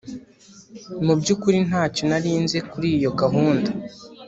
mubyukuri, ntacyo nari nzi kuri iyo gahunda